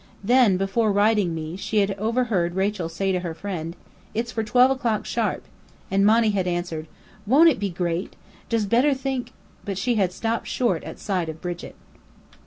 Then, before writing me, she had overheard Rachel say to her friend, "It's for twelve o'clock sharp." And Monny had answered, "Won't it be great! Does Bedr think " But she had stopped short at sight of Brigit.